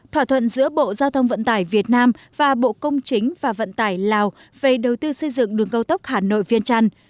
thỏa thuận giữa bộ giao thông vận tải việt nam và bộ công chính và vận tải lào về đầu tư xây dựng đường cao tốc hà nội viên trăn